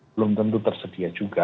belum tentu tersedia juga